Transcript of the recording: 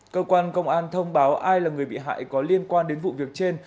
cơ quan công an thông báo ai là người bị hại có liên quan đến vụ việc trên